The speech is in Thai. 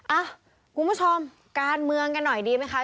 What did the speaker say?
อ่ะคุณผู้ชมการเมืองกันหน่อยดีไหมคะ